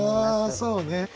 ああそうね。